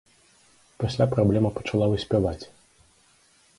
Пасля праблема пачала выспяваць.